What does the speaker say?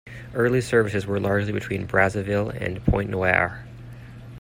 Early services were largely between Brazzaville and Pointe Noire.